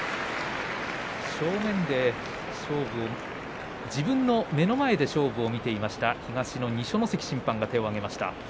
正面で自分の目の前で勝負を見ていました東の二所ノ関審判が手を上げました。